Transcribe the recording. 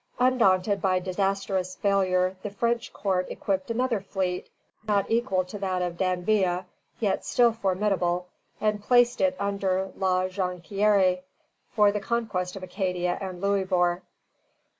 Undaunted by disastrous failure, the French court equipped another fleet, not equal to that of D'Anville, yet still formidable, and placed it under La Jonquière, for the conquest of Acadia and Louisbourg.